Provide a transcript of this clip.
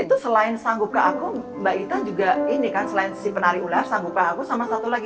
itu selain sanggup ke aku mbak ita juga ini kan selain si penari ular sanggup ke aku sama satu lagi